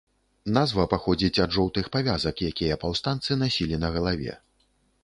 Назва паходзіць ад жоўтых павязак, якія паўстанцы насілі на галаве.